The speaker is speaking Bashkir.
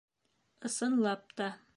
Ысынлап та